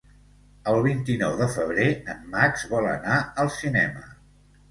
El vint-i-nou de febrer en Max vol anar al cinema.